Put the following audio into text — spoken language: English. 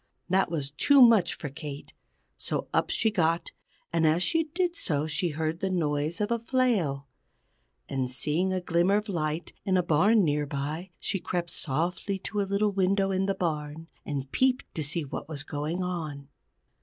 That was too much for Kate. So up she got, and as she did so she heard the noise of a flail. And seeing a glimmer of light in a barn near by, she crept softly to a little window in the barn, and peeped to find what was going on.